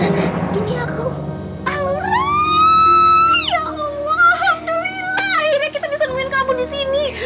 alhamdulillah akhirnya kita bisa nemuin kamu disini